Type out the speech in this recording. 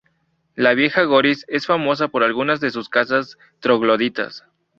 La vieja Goris es famosa por algunos de sus casas trogloditas.